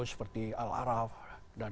seperti al araf dan